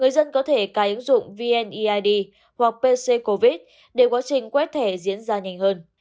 để cài ứng dụng vn eid hoặc pc covid để quá trình quét thẻ diễn ra nhanh hơn